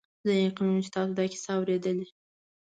زه یقین لرم چې تاسي دا کیسه اورېدلې.